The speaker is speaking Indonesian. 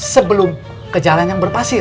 sebelum ke jalan yang berpasir